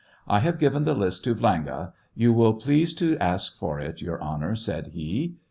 " I have given the list to Vlang^. You will please to ask him for it. Your Honor!" said he.